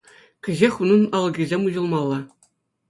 Кӗҫех унӑн алӑкӗсем уҫӑлмалла.